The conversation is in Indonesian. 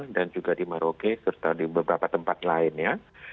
dan juga di maroke serta di beberapa tempat lainnya